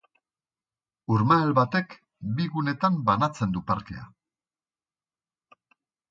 Urmael batek bi gunetan banatzen du parkea.